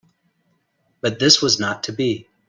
But this was not to be.